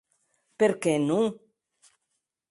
Per qué non?